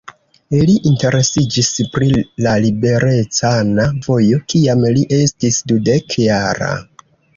Li interesiĝis pri la liberecana vojo, kiam li estis dudek-jara.